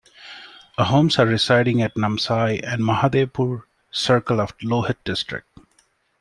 Ahoms are residing at Namsai and Mahadevpur circle of Lohit district.